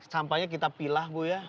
sampahnya kita pilah bu ya